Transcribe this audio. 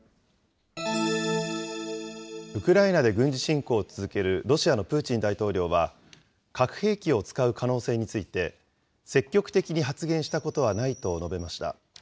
ウクライナで軍事侵攻を続けるロシアのプーチン大統領は、核兵器を使う可能性について、積極的に発言したことはないと述べました。